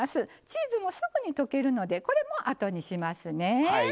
チーズもすぐに溶けるのでこれもあとにしますね。